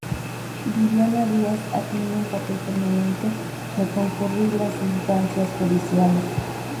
Viviana Díaz ha tenido un papel permanente de concurrir a las instancias judiciales.